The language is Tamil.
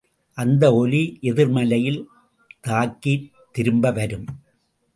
அந்த ஒலி எதிர்மலையிலே தாக்கித் திரும்பவரும்.